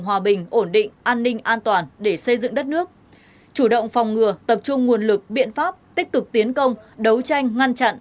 hòa bình ổn định an ninh an toàn để xây dựng đất nước chủ động phòng ngừa tập trung nguồn lực biện pháp tích cực tiến công đấu tranh ngăn chặn